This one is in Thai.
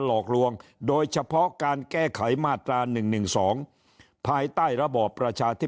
หลอกลวงโดยเฉพาะการแก้ไขมาตรา๑๑๒ภายใต้ระบอบประชาธิ